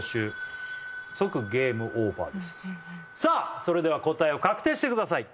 それでは答えを確定してください